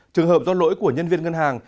trường hợp do lỗi của nhân viên ngân hàng